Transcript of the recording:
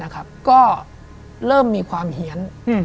ก็เริ่มมีความเหี้ยน